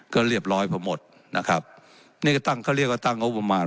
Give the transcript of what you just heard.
ก็เรียบร้อยพอหมดนะครับนี่เขาเรียกว่าตั้งงบมา